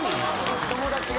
友達が。